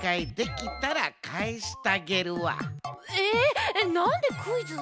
えっなんでクイズ？